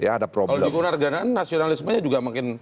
kalau duit kewarna negaraan nasionalismenya juga makin